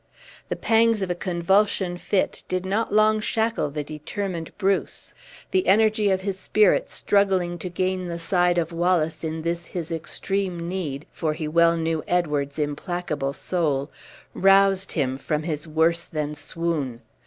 The pangs of a convulsion fit did not long shackle the determined Bruce. The energy of his spirit struggling to gain the side of Wallace in this his extreme need (for he well knew Edward's implacable soul), roused him from his worse than swoon.